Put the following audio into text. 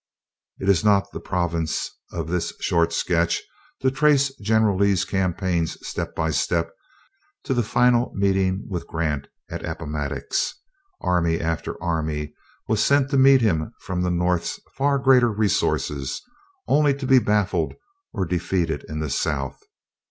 It is not the province of this short sketch to trace General Lee's campaigns step by step to the final meeting with Grant at Appomattox. Army after army was sent to meet him from the North's far greater resources, only to be baffled or defeated in the South.